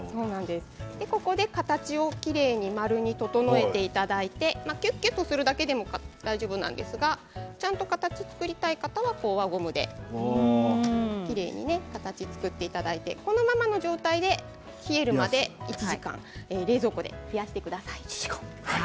ここで形をきれいに丸に整えていただいてきゅっきゅっとするだけでも大丈夫なんですけどちゃんと形を作りたい方は輪ゴムできれいにね形を作っていただいてこのままの状態で冷えるまで１時間冷蔵庫で冷やしてください。